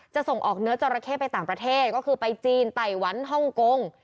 ส่งออกเนื้อจราเข้ไปต่างประเทศก็คือไปจีนไต้หวันฮ่องกง